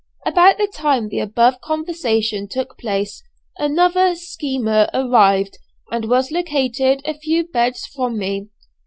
About the time the above conversation took place another "schemer" arrived, and was located a few beds from me.